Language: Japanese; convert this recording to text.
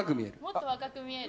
もっと若く見える。